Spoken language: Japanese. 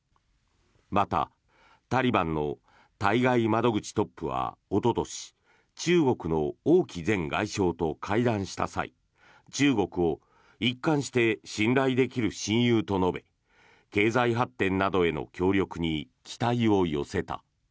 また、タリバンの対外窓口トップは、おととし中国の王毅前外相と会談した際中国を一貫して信頼できる親友と述べ経済発展などへの協力に期待を寄せた。